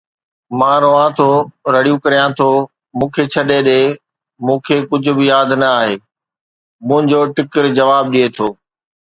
مان روئان ٿو، رڙيون ڪريان ٿو، مون کي ڇڏي ڏي، مون کي ڪجهه به ياد نه آهي، منهنجو ٽِڪر جواب ڏئي ٿو